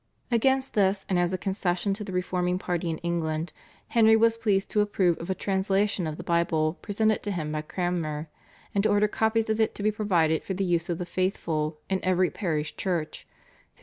Against this and as a concession to the reforming party in England Henry was pleased to approve of a translation of the Bible presented to him by Cranmer, and to order copies of it to be provided for the use of the faithful in every parish church (1537 38).